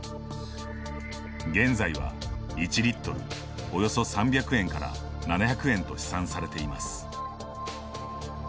現在は、１リットルおよそ３００円から７００円と試算されています。